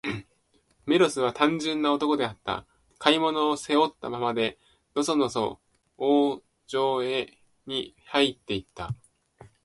メロスは、単純な男であった。買い物を、背負ったままで、のそのそ王城にはいって行った。